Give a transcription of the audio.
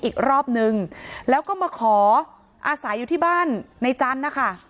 อีกรอบนึงแล้วก็มาขออาศัยอยู่ที่บ้านในจันทร์นะคะ